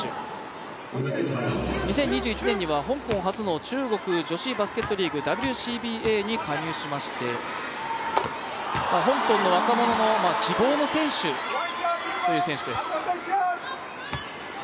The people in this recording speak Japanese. リ・チイン、２０２１年には香港初の中国女子バスケットリーグに加入しまして香港の若者の希望の選手という選手です。